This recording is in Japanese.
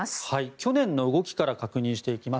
去年の動きから確認していきます。